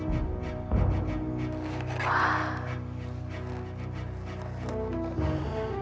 aku harus melayanginya dengan baik